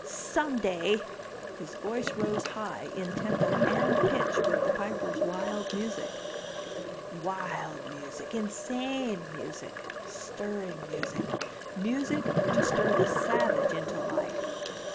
Someday !" His voice rose high, in tempo and pitch with the Piper's wild music. Wild music, insane music, stirring music. Music to stir the savage into life.